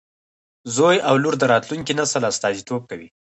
زوی او لور د راتلونکي نسل استازیتوب کوي.